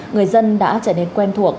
người dân đã trở nên quen thuộc